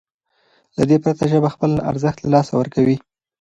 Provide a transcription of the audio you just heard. له دې پرته ژبه خپل ارزښت له لاسه ورکوي.